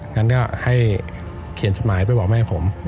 งั้นก็ให้เขียนจดหมายไปบอกแม่ผม